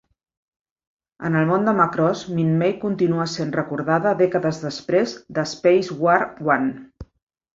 En el món de Macross, Minmay continua essent recordada dècades després de Space War I.